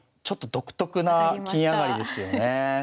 ちょっと独特な金上がりですよね。